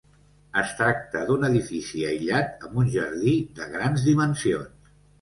Es tracta d'un edifici aïllat amb un jardí de grans dimensions.